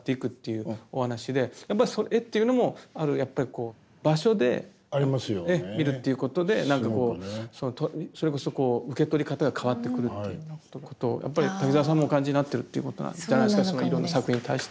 やっぱり絵っていうのもこう場所で見るっていうことでなんかこうそれこそこう受け取り方が変わってくるっていうことをやっぱり滝沢さんもお感じになってるっていうことなんじゃないですかそのいろんな作品に対して。